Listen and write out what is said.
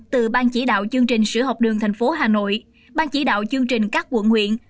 từ ban chỉ đạo chương trình sữa học đường thành phố hà nội ban chỉ đạo chương trình các quận huyện